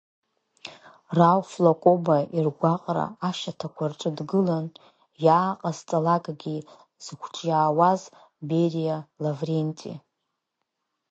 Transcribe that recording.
Рауф Лакоба иргәаҟра ашьаҭақәа рҿы дгылан иааҟазҵалакгьы зықәҿиауаз Бериа Лавренти.